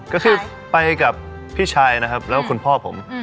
ก็คือไปกับพี่ชายนะครับแล้วก็คุณพ่อผม